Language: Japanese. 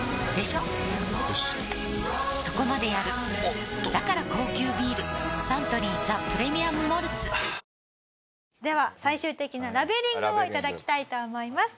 しっそこまでやるおっとだから高級ビールサントリー「ザ・プレミアム・モルツ」はあーでは最終的なラベリングを頂きたいと思います。